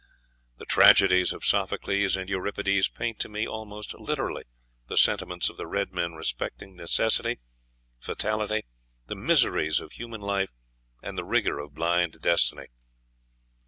The tragedies of Sophocles and Euripides paint to me almost literally the sentiments of the red men respecting necessity, fatality, the miseries of human life, and the rigor of blind destiny."